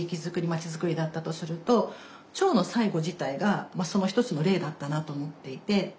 町づくりだったとすると長の最期自体がその一つの例だったなと思っていて。